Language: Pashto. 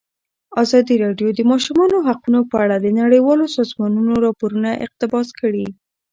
ازادي راډیو د د ماشومانو حقونه په اړه د نړیوالو سازمانونو راپورونه اقتباس کړي.